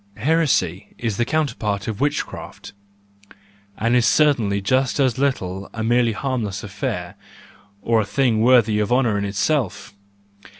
Heresy is the counterpart of witchcraft, and is certainly just as little a merely harmless affair, or a thing worthy of honour in itself.